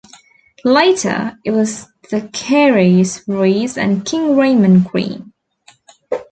Later, it was the Careys, Reace, and King Raymond Green.